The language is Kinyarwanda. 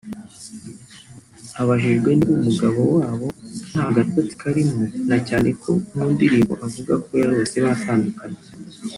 Abajijwe niba umubano wabo nta gatotsi karimo na cyane ko mu ndirimbo avuga ko yarose batandukanye